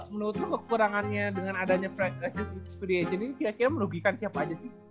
menurut lo kekurangannya dengan adanya restricted free agent ini kayaknya merugikan siapa aja sih